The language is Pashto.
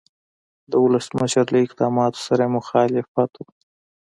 د ولسمشر له اقداماتو سره یې مخالفت و.